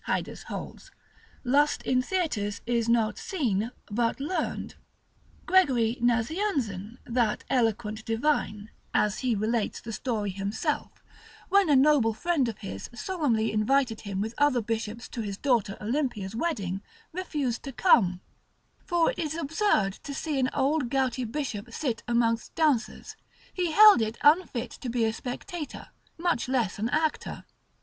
Haedus holds, lust in theatres is not seen, but learned. Gregory Nazianzen that eloquent divine, (as he relates the story himself,) when a noble friend of his solemnly invited him with other bishops, to his daughter Olympia's wedding, refused to come: For it is absurd to see an old gouty bishop sit amongst dancers; he held it unfit to be a spectator, much less an actor.